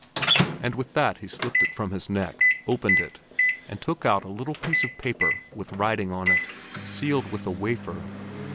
and with that he slipped it from his neck, opened it, and took out a little piece of paper with writing on it, sealed with a wafer.